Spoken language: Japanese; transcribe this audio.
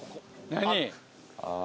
何？